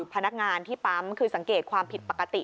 พนักงานที่ปั๊มคือสังเกตความผิดปกติ